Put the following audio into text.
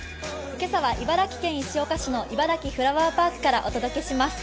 今朝は茨城県石岡市のいばらきフラワーパークからお届けします。